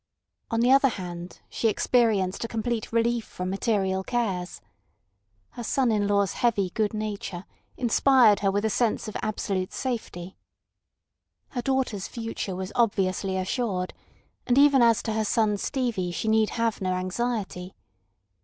On the other hand, she experienced a complete relief from material cares. Her son in law's heavy good nature inspired her with a sense of absolute safety. Her daughter's future was obviously assured, and even as to her son Stevie she need have no anxiety.